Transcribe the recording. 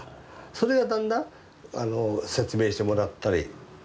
それがだんだん説明してもらったりして。